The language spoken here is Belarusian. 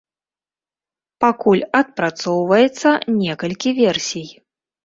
Пакуль адпрацоўваецца некалькі версій.